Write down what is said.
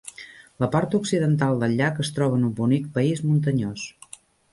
La part occidental del llac es troba en un bonic país muntanyós.